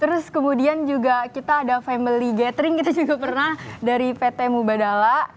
terus kemudian juga kita ada family gathering kita juga pernah dari pt mubadala